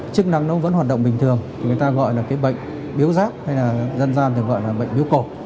chức năng nó vẫn hoạt động bình thường người ta gọi là bệnh biếu giáp hay dân gian gọi là bệnh biếu cổ